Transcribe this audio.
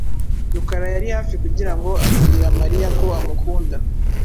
Rukara yari hafi kugira ngo abwira Mariya ko amukunda.